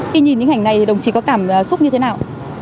khi nhìn những hình này thì đồng chí có cảm xúc như thế nào